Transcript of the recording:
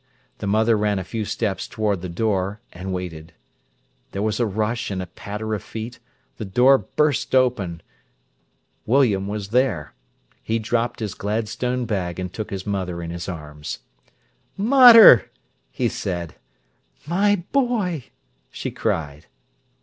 The mother ran a few steps towards the door and waited. There was a rush and a patter of feet, the door burst open. William was there. He dropped his Gladstone bag and took his mother in his arms. "Mater!" he said. "My boy!" she cried.